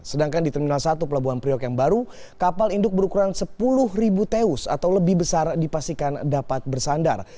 sedangkan di terminal satu pelabuhan priok yang baru kapal induk berukuran sepuluh ribu teus atau lebih besar dipastikan dapat bersandar